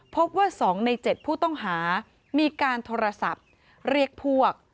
พบว่า๒ใน๗ผู้ต้องหามีการโทรศัพท์เรียกพวก